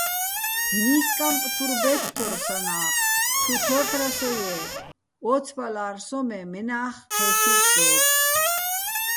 ნისკამპ თურ ბე́თთორ სანა́ხ, ჩუ თოჰ̦რასოჲე́, ო́ცბალარ სოჼ მე́ მენა́ხ ჴე́ქირ სო́გო̆.